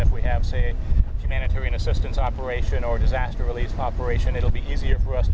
จะมีช่วงให้เราได้ง่าย